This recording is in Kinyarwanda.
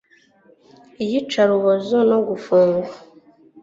Iyicarubozo no gufungwa